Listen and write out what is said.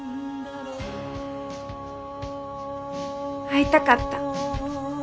会いたかった。